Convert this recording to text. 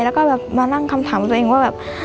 แล้วก็แบบมาตั้งคำถามตัวเองว่าแบบ